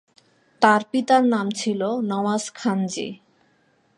তার পিতার নাম ছিল নওয়াজ খানজী।